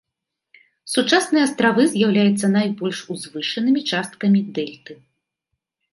Сучасныя астравы з'яўляюцца найбольш узвышанымі часткамі дэльты.